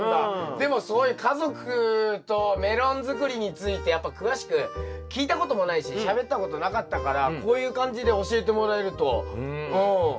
でもそういう家族とメロンづくりについてやっぱ詳しく聞いたこともないししゃべったことなかったからこういう感じで教えてもらえるとちょっと助かりますね。